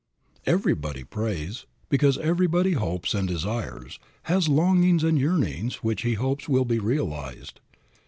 Everybody prays, because everybody hopes and desires, has longings and yearnings which he hopes will be realized.